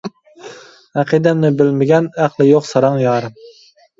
ئەقىدەمنى بىلمىگەن، ئەقلى يوق ساراڭ يارىم.